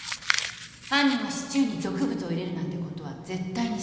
犯人はシチューに毒物を入れるなんてことは絶対にしない。